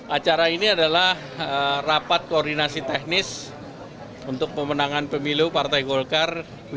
acara ini adalah rapat koordinasi teknis untuk pemenangan pemilu partai golkar